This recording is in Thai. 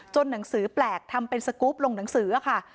หนังสือแปลกทำเป็นสกรูปลงหนังสือค่ะ